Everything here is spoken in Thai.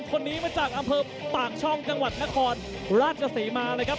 คนนี้มาจากอำเภอปากช่องจังหวัดนครราชศรีมานะครับ